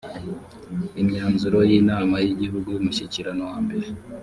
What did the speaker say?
imyanzuro y inama y igihugu y umushyikirano wa mbere